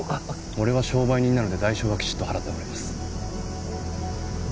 俺は商売人なので代償はきちっと払ってもらいます。